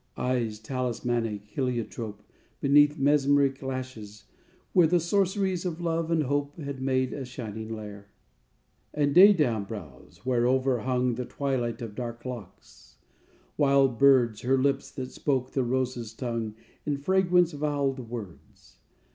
_ Eyes, talismanic heliotrope, Beneath mesmeric lashes, where The sorceries of love and hope Had made a shining lair. _And daydawn brows, whereover hung The twilight of dark locks; wild birds, Her lips, that spoke the rose's tongue In fragrance voweled words.